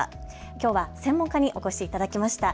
きょうは専門家にお越しいただきました。